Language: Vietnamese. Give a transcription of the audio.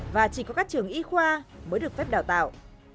và chỉ có các trường y khoa mới được phép đào tạo